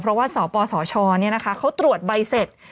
เพราะว่าสปสชนี่นะคะเขาตรวจใบเสร็จ